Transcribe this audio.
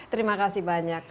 terima kasih banyak